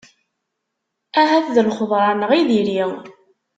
Ahat d lxeḍra-nneɣ i diri.